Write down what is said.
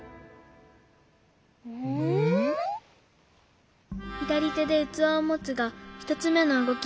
「ひだりてでうつわをもつ」がひとつめのうごき。